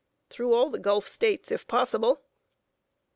"Through all the Gulf States, if possible."